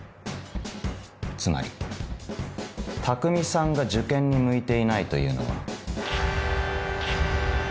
つまり匠さんが受験に向いていないというのは。